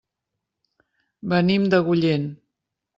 Venim d'Agullent.